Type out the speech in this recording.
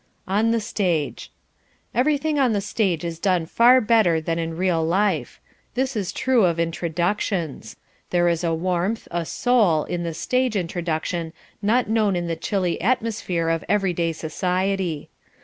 On the Stage Everything on the stage is done far better than in real life. This is true of introductions. There is a warmth, a soul, in the stage introduction not known in the chilly atmosphere of everyday society.